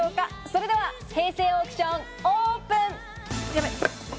それでは平成オークション、オープン！